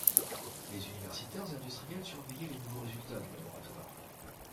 les universitaires et industriels surveillaient les nouveaux résultats du laboratoire.